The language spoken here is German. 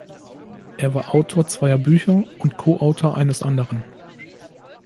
Er war Autor zweier Bücher und Koautor eines anderen.